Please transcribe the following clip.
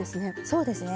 そうですね